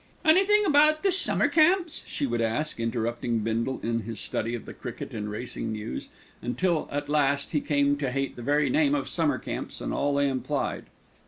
"Anything about the summer camps?" she would ask, interrupting Bindle in his study of the cricket and racing news, until at last he came to hate the very name of summer camps and all they implied.